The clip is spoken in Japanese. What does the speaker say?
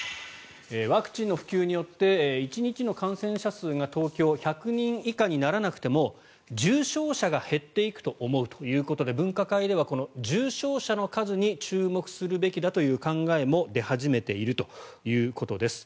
ワクチンの普及によって１日の感染者数が東京１００人以下にならなくても重症者が減っていくと思うということで分科会では、この重症者の数に注目するべきだという考えも出始めているということです。